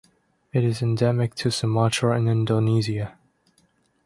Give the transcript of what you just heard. It is endemic to Sumatra in Indonesia.